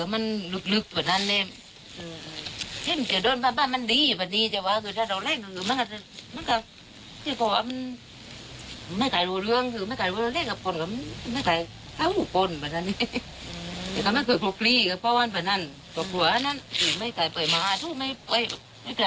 ไม่เคยไปมาหาไม่ไปแน่และไม่ไปเลย